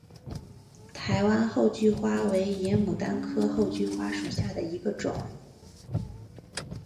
台湾厚距花为野牡丹科厚距花属下的一个种。